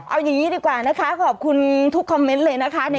เอาอย่างนี้ดีกว่านะคะขอบคุณทุกคอมเมนต์เลยนะคะ